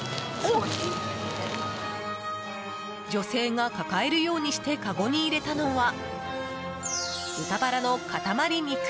女性が抱えるようにしてかごに入れたのは豚バラの塊肉。